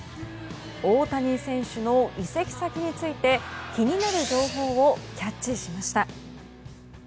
大谷選手の移籍先について気になる情報をキャッチしました。